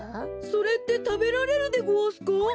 それってたべられるでごわすか？